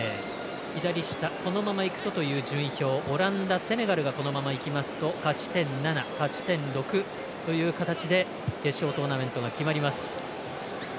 左下、このままいくとオランダ、セネガルがこのままいきますと勝ち点７勝ち点６という形で決勝トーナメントが決まります。